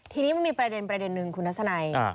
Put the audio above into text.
ทีนี้มันมีประเด็นนึงคุณทัศนัย